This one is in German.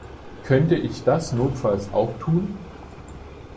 Könnte ich das notfalls auch tun?